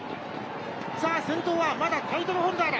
さあ、先頭はまだタイトルホルダーだ。